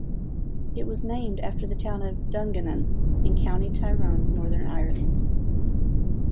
It was named after the town of Dungannon in County Tyrone, Northern Ireland.